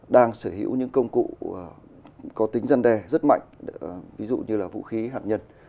đang sở hữu những công cụ có tính dân đề rất mạnh ví dụ như là vũ khí hạt nhân